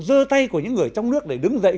dơ tay của những người trong nước để đứng dậy